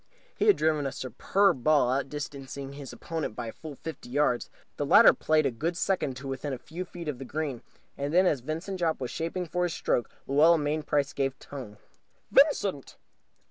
He had driven a superb ball, outdistancing his opponent by a full fifty yards. The latter played a good second to within a few feet of the green. And then, as Vincent Jopp was shaping for his stroke, Luella Mainprice gave tongue. "Vincent!"